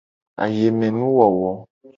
Ayemenuwowo.